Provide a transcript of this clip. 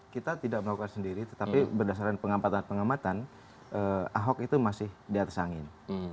kita tidak melakukan sendiri tetapi berdasarkan pengamatan pengamatan ahok itu masih di atas angin